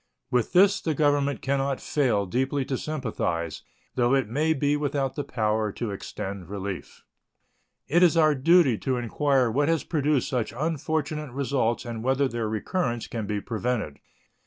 With this the Government can not fail deeply to sympathize, though it may be without the power to extend relief. It is our duty to inquire what has produced such unfortunate results and whether their recurrence can be prevented.